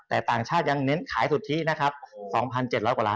แต่ต่างชาติยังเท็จให้สุดท้ายสักกว่า๒๗๐๐บาท